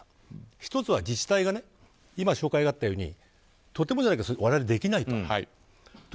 １つは、自治体が今、紹介があったようにとてもじゃないけど我々できないと。